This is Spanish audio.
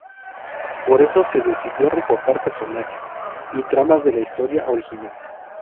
Por eso se decidió recortar personajes, y tramas de la historia original.